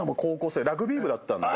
ラグビー部だったんで。